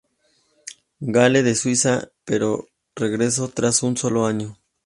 Gallen de Suiza, pero regresó tras un solo año.